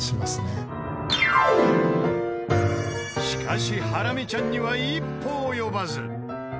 ［しかしハラミちゃんには一歩及ばず］